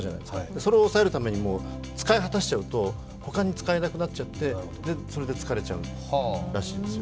それを抑えるために使い果たしちゃうと他に使えなくなっちゃって、それで疲れちゃうらしいんですよ。